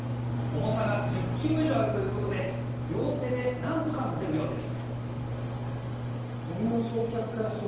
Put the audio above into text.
重さが１０ｋｇ以上あるということで両手でなんとか持てる量です。